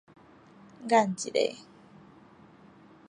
眼一下